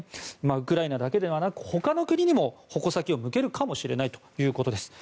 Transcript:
ウクライナだけではなくほかの国にも矛先を向けるかもしれないということです。